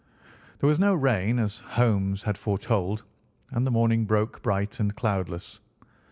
There was no rain, as Holmes had foretold, and the morning broke bright and cloudless.